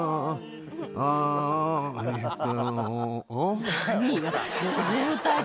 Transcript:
あぁえっと。